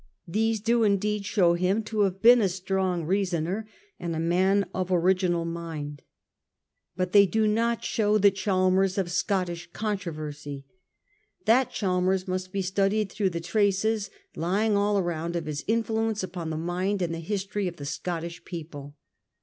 These do in deed show him to have been a strong reasoner and a man of original mind. But they do not show the 222 A HISTORY OF OUR OWN TIMES. CH. Z. Chalmers of Scottish controversy. That Chalmers must he studied through the traces, lying all around / of his influ ence upon the mind and the history of the Scottish people.